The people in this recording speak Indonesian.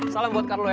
salam buat karlo ya